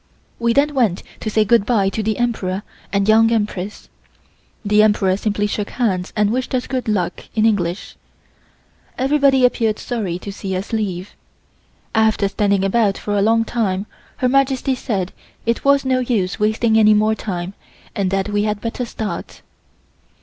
We then went to say good bye to the Emperor and Young Empress. The Emperor simply shook hands and wished us "Good Luck" in English. Everybody appeared sorry to see us leave. After standing about for a long time Her Majesty said it was no use wasting any more time and that we had better start.